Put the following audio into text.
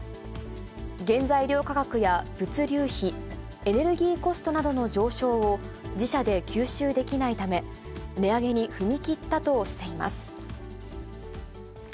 原材料価格や、物流費、エネルギーコストなどの上昇を自社で吸収できないため、値上げに踏み切ったとしています。